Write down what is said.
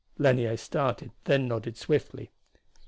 Lanier started, then nodded swiftly.